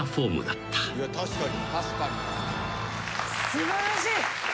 素晴らしい。